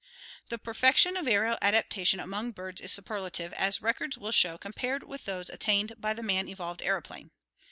The perfection of aerial adaptation among birds is superlative, as records will show compared with those attained by the man evolved aeroplane.